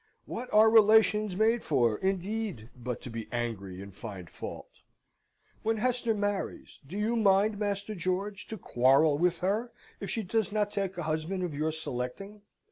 What are relations made for, indeed, but to be angry and find fault? When Hester marries, do you mind, Master George, to quarrel with her if she does not take a husband of your selecting.